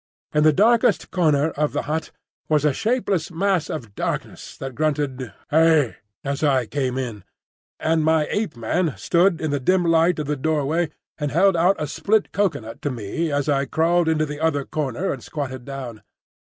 In the darkest corner of the hut sat a shapeless mass of darkness that grunted "Hey!" as I came in, and my Ape man stood in the dim light of the doorway and held out a split cocoa nut to me as I crawled into the other corner and squatted down.